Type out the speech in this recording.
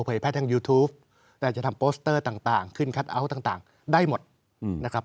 แพทย์ทางยูทูปแต่จะทำโปสเตอร์ต่างขึ้นคัทเอาท์ต่างได้หมดนะครับ